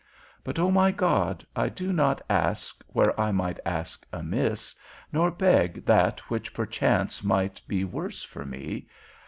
But, O my God, I do not ask, where I might ask amiss, nor beg that which perchance might be worse for me.